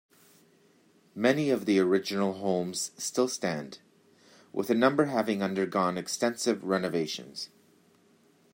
Many of the original homes still stand, with a number having undergone extensive renovations.